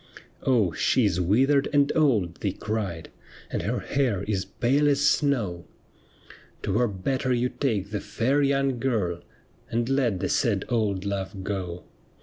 ' Oh, she is withered and old,' they cried, ' And her hair is pale as snow ; THl WOMAN WHO WENT TO HHLL 125 'Twere better you take the fair young girl, And let the sad old love go.'